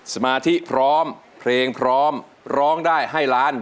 สมาธิพร้อมเพลงพร้อมร้องได้ให้ล้าน